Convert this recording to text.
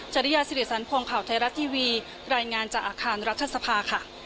จริยาสิริสันพงศ์ข่าวไทยรัฐทีวีรายงานจากอาคารรัฐสภาค่ะ